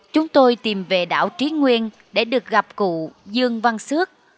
chúng tôi tìm về đảo trí nguyên để được gặp cụ dương văn xước